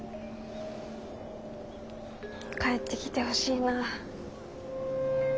帰ってきてほしいなあ。